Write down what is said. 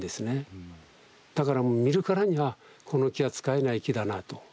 だから見るからにあこの木は使えない木だなと。